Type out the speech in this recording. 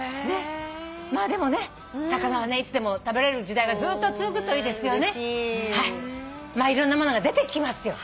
まあでも魚はねいつでも食べれる時代がずっと続くといいですよね。